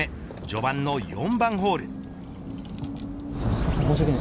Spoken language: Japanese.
序盤の４番ホール。